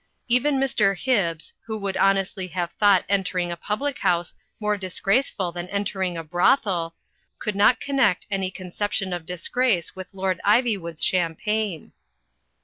Even Mr. Hibbs, who would honestly have thought entering a public house more disgraceful than entering a brothel, could not connect any conception of disgrace with Lord Ivy wood's champagne.